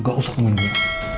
gak usah main main